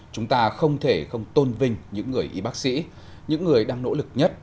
chúng ta không thể không tôn vinh những người y bác sĩ những người đang nỗ lực nhất